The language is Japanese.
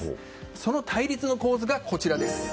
その対立の構図がこちらです。